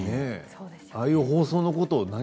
ああいう放送のこと。